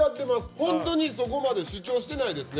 本当にそこまで主張してないですね。